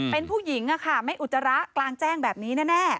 เป็นผู้หญิงไม่อุจจาระกลางแจ้งแบบนี้แน่